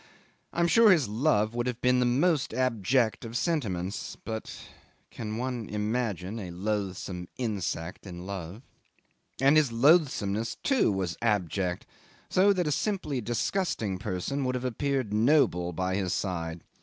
I am sure his love would have been the most abject of sentiments but can one imagine a loathsome insect in love? And his loathsomeness, too, was abject, so that a simply disgusting person would have appeared noble by his side.